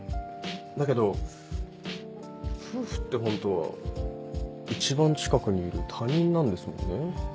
だけど夫婦ってホントは一番近くにいる他人なんですもんね。